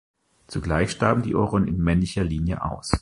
Zugleich starben die Oron in männlicher Linie aus.